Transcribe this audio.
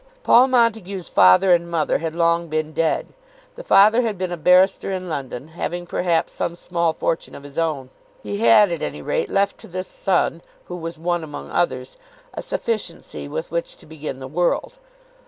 Paul Montague's father and mother had long been dead. The father had been a barrister in London, having perhaps some small fortune of his own. He had, at any rate, left to this son, who was one among others, a sufficiency with which to begin the world.